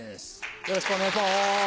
よろしくお願いします